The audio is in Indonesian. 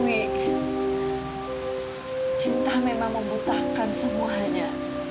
cinta memang membutakan semuanya